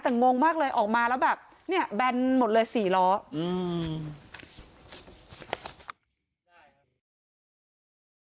แต่งงมากเลยออกมาแล้วแบบเนี้ยแบนหมดเลยสี่ล้ออืม